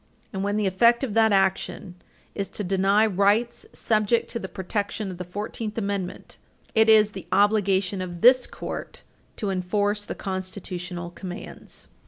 And when the effect of that action is to deny rights subject to the protection of the Fourteenth Amendment, it is the obligation of this Court to enforce the constitutional commands.